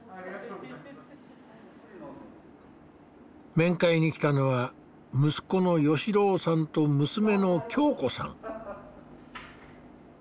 面会に来たのは息子の芳郎さんと娘の恭子さん。